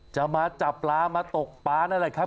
จะมาจับปลามาตกปลานั่นแหละครับ